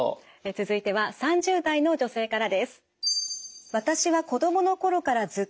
続いては３０代の女性からです。